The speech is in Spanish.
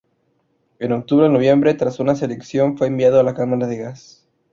En octubre o noviembre, tras una selección, fue enviado a la cámara de gas.